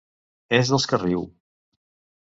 És dels que riu.